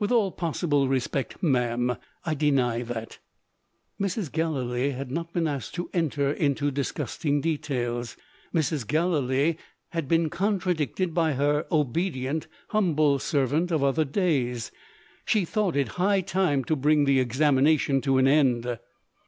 "With all possible respect, ma'am, I deny that." Mrs. Gallilee had not been asked to enter into disgusting details. Mrs. Gallilee had been contradicted by her obedient humble servant of other days. She thought it high time to bring the examination to an end.